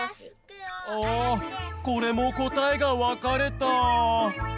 あこれも答えがわかれた。